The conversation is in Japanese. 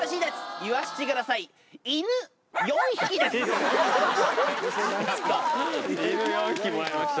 犬４匹もらいました。